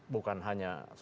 bukan hanya soal ahok gitu